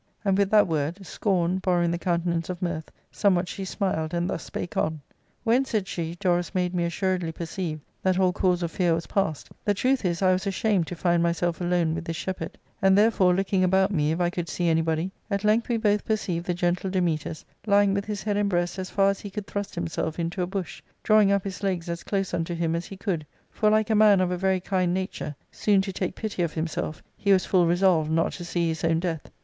And with that word, scorn borrow ing the countenance of mirth, somewhat she smiled, and thus spake on :—" When," said she, " Dorus made me assuredly perceive that all cause of fear was passed, the truth is, I was ashamed to find myself alone with this shepherd ; and therefore, looking about me if I could see anybody, at length we both perceived the gentle Dametas lying with his head and breast as far as he could thrust himself into a bush, drawing up his legs as close unto him as he could ; for, like a man of a very kind nature, soon to |' take pity of himself, "he was full resolved not to see his own '. death.